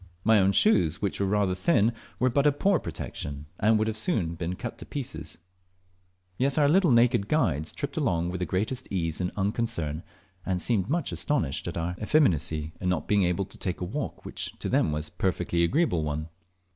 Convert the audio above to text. My own shoes, which were rather thin, were but a poor protection, and would soon have been cut to pieces; yet our little naked guides tripped along with the greatest ease and unconcern, and seemed much astonished at our effeminacy in not being able to take a walk which to them was a perfectly agreeable one.